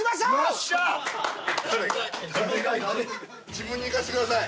自分にいかせてください。